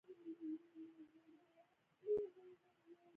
د نعناع پاڼې د ګیډې د درد لپاره وکاروئ